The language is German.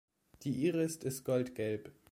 Die Iris ist goldgelb.